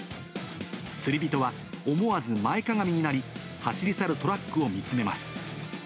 釣り人は思わず前かがみになり、走り去るトラックを見つめます。